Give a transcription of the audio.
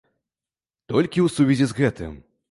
Толькі ў сувязі з гэтым.